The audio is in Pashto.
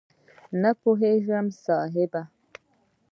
نه پوهېږم صاحب؟!